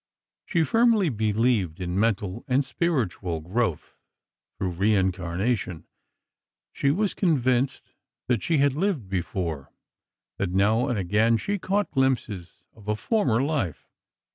She firmly believed in mental and spiritual growth through reincarnation. She was convinced that she had lived before—that now and again, she caught glimpses of a former life.